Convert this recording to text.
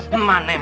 mana mana ketek lo